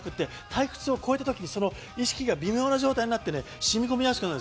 退屈を超えたときに意識が微妙な状態になって染み込みやすくなる。